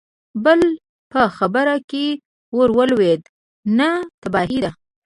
بل په خبره کې ور ولوېد: نه، تباهي ده!